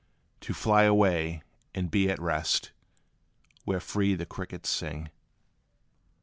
To fly away, and be at rest, Where free the crickets sing.